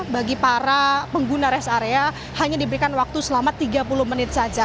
bagi para pengguna rest area hanya diberikan waktu selama tiga puluh menit saja